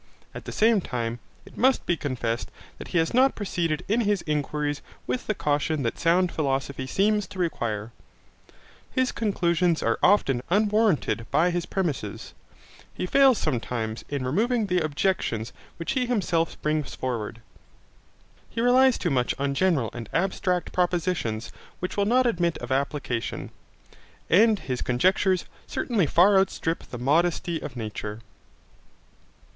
At the same time, it must be confessed that he has not proceeded in his inquiries with the caution that sound philosophy seems to require. His conclusions are often unwarranted by his premises. He fails sometimes in removing the objections which he himself brings forward. He relies too much on general and abstract propositions which will not admit of application. And his conjectures certainly far outstrip the modesty of nature.